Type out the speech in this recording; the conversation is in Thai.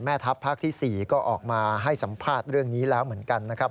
ทัพภาคที่๔ก็ออกมาให้สัมภาษณ์เรื่องนี้แล้วเหมือนกันนะครับ